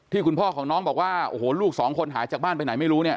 คุณพ่อของน้องบอกว่าโอ้โหลูกสองคนหายจากบ้านไปไหนไม่รู้เนี่ย